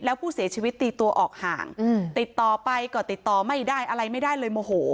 แล้วผู้เสียชีวิตตีตัวออกห่างติดต่อไปก็ติดต่อไม่ได้อะไรไม่ได้เลยโมโห